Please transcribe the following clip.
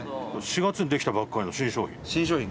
４月にできたばかりの新商品。